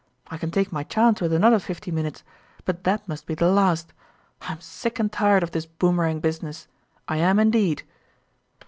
I can take my chance with another fifteen minutes, but that must be the last. I am sick and tired of this Boom erang business, I am indeed